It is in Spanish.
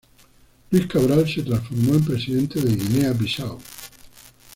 Luis Cabral se transformó en presidente de Guinea-Bisáu.